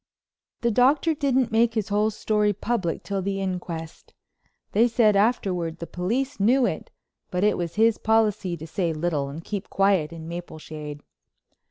The Doctor didn't make his whole story public till the inquest. They said afterward the police knew it, but it was his policy to say little and keep quiet in Mapleshade.